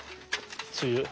梅雨。